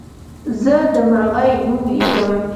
زه د مرغۍ نوم لیکم.